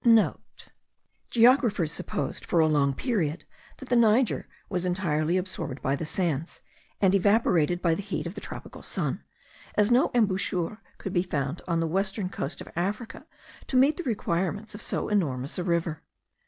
*(* Geographers supposed, for a long period, that the Niger was entirely absorbed by the sands, and evaporated by the heat of the tropical sun, as no embouchure could be found on the western coast of Africa to meet the requirements of so enormous a river.